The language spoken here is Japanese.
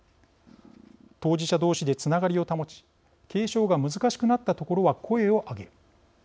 当事者同士でつながりを保ち継承が難しくなったところは声を上げる。